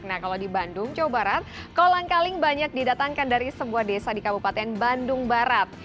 nah kalau di bandung jawa barat kolang kaling banyak didatangkan dari sebuah desa di kabupaten bandung barat